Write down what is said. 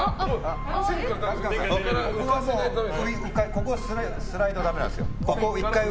ここはスライドダメなんですよ。